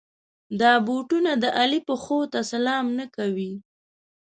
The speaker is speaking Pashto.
دا بوټونه د علي پښو ته سلام نه کوي.